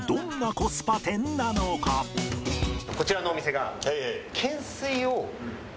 こちらのお店が。